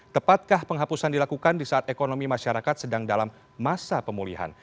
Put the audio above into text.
tepatkah penghapusan dilakukan di saat ekonomi masyarakat sedang dalam masa pemulihan